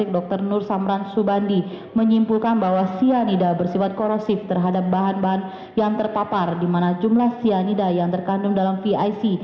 cnn indonesia breaking news